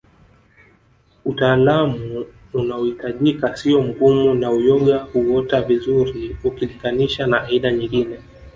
Utaalamu unaohitajika siyo mgumu na uyoga huota vizuri ukiliganisha na aina nyingine